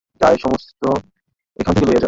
যা, এ-সমস্ত এখান থেকে লইয়া যা।